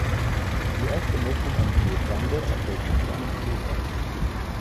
Die erste Messung am Rio Grande erfolgte von einem Floß aus.